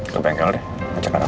ke bengkel deh ajak anak buah